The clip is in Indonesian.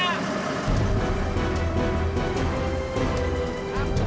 aku benar benar cinta sama kamu